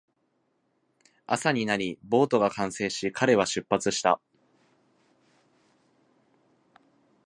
朝になり、ボートが完成し、彼は出発した